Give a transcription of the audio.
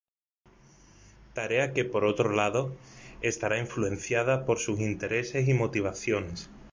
Tarea que, por otro lado, estará influenciada por sus intereses y motivaciones.